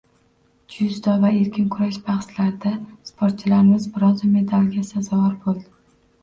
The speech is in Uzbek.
Dzyudo va erkin kurash bahslarda sportchilarimiz bronza medalga sazovor bo‘ldi.